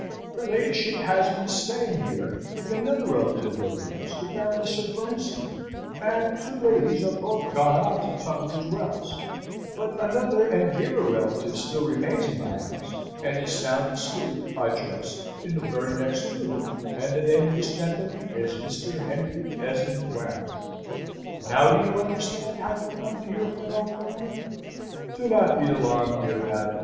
"Her ladyship has been staying here, and another relative of yours, the Baroness of Bernstein, and the two ladies are both gone on to Tunbridge Wells; but another and dearer relative still remains in my house, and is sound asleep, I trust, in the very next room, and the name of this gentleman is Mr. Henry Esmond Warrington. Now, do you understand how you come to hear from an old friend? Do not be alarmed, dear madam!